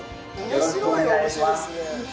よろしくお願いします。